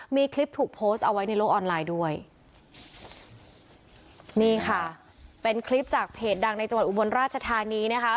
มีคลิปถูกโพสต์เอาไว้ในโลกออนไลน์ด้วยนี่ค่ะเป็นคลิปจากเพจดังในจังหวัดอุบลราชธานีนะคะ